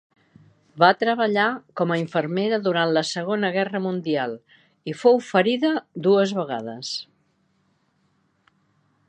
Va treballar com a infermera durant la Segona Guerra Mundial i fou ferida dues vegades.